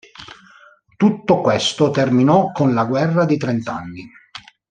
Tutto questo terminò con la guerra dei trent'anni.